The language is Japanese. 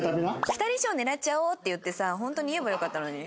ピタリ賞狙っちゃおう！って言ってさホントに言えばよかったのに。